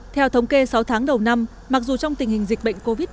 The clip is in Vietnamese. theo thống kê sáu tháng đầu năm mặc dù trong tình hình dịch bệnh covid một mươi chín